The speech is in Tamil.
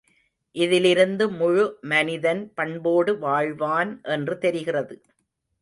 இதிலிருந்து முழு மனிதன் பண்போடு வாழ்வான் என்று தெரிகிறது.